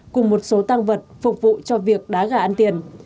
cùng một số tăng vật phục vụ cho việc đá gà ăn tiền